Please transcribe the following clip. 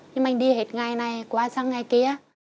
nhưng mình đi hết ngày này qua sang ngày kia